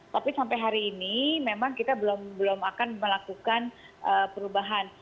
tapi sampai hari ini memang kita belum akan melakukan perubahan